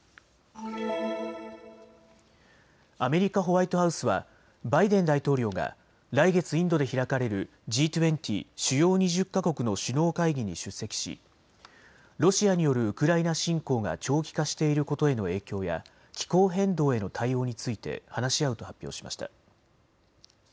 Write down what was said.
アメリカ・ホワイトハウスはバイデン大統領が来月インドで開かれるＧ２０・主要２０か国の首脳会議に出席しロシアによるウクライナ侵攻が長期化していることへの影響や気候変動への対応について話し合うと発表しました。